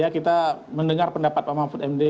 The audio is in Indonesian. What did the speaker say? kita mendengar pendapat pak mahfud md